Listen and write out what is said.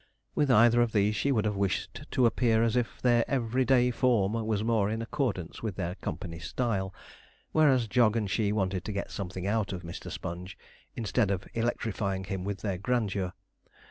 With either of these she would have wished to appear as if their every day form was more in accordance with their company style, whereas Jog and she wanted to get something out of Mr. Sponge, instead of electrifying him with their grandeur.